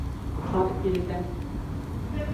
Ҡар ирегән